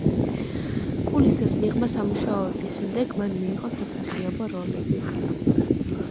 კულისებს მიღმა სამუშაოების შემდეგ მან მიიღო სამსახიობო როლები.